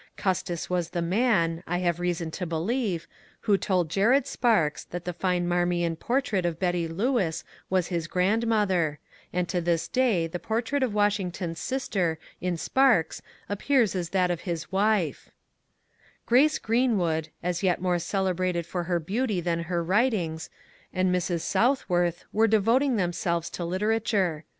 Custis was the man, I have reason to be lieve, who told Jared Sparks that the fine Marmion portrait of Betty Lewis was his grandmother ; and to this day the por trait of Washington's sister in Sparks appears as that of his wife I ^^ Grace Greenwood," as yet more celebrated for her beauty than her writings, and Mrs. Southworth were devoting themselves to literature.